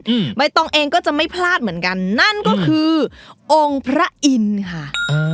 ใบตองเองก็จะไม่พลาดเหมือนกันนั่นก็คือองค์พระอินทร์ค่ะอ่า